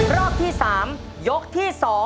รอบที่๓ยกที่๒